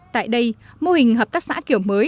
tại đây mô hình hợp tác xã kiểu mới